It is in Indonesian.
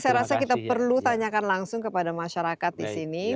saya rasa kita perlu tanyakan langsung kepada masyarakat disini